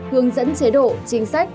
hướng dẫn chế độ chính sách